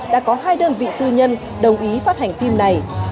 đã có hai đơn vị tư nhân đồng ý phát hành phim này